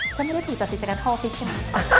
ฉันไม่รู้ถึงตัดสินจากการท่อชิกใช่ไหม